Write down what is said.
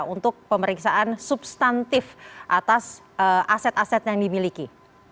untuk pemeriksaan substantif atas aset aset yang dimiliki